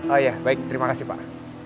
oh iya baik terima kasih pak